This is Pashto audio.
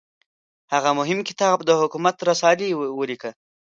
هغه مهم کتاب د حکومت رسالې ولیکه.